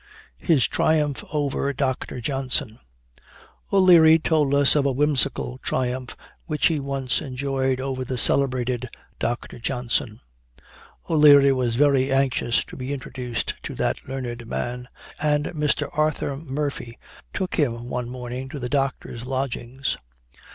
HIS TRIUMPH OVER DR. JOHNSON. "O'Leary told us of a whimsical triumph which he once enjoyed over the celebrated Dr. Johnson. O'Leary was very anxious to be introduced to that learned man, and Mr. Arthur Murphy took him one morning to the doctor's lodgings.